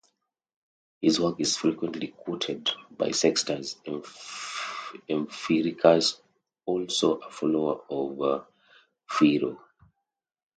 His work is frequently quoted by Sextus Empiricus, also a follower of Pyrrho.